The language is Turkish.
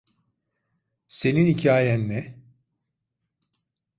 Senin hikayen ne?